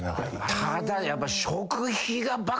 ただやっぱ。